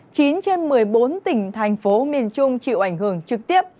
chín trên một mươi bốn tỉnh thành phố miền trung chịu ảnh hưởng trực tiếp